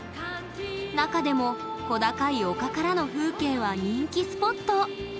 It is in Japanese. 中でも小高い丘からの風景は人気スポット。